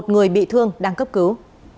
một người bị thương đang cấp cứu